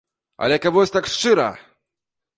Але каб вось так шчыра!